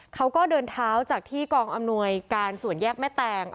เขาก็เดินเท้าจากที่กองอำนวยการส่วนแยกแม่แตง